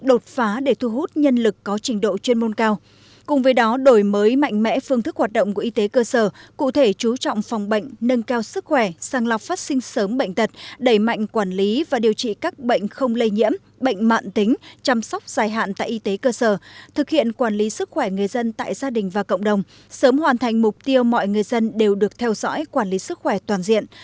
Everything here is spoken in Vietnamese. độ chuyên môn cao cùng với đó đổi mới mạnh mẽ phương thức hoạt động của y tế cơ sở cụ thể chú trọng phòng bệnh nâng cao sức khỏe sang lọc phát sinh sớm bệnh tật đẩy mạnh quản lý và điều trị các bệnh không lây nhiễm bệnh mạng tính chăm sóc dài hạn tại y tế cơ sở thực hiện quản lý sức khỏe người dân tại gia đình và cộng đồng sớm hoàn thành mục tiêu mọi người dân đều được theo dõi quản lý sức khỏe toàn diện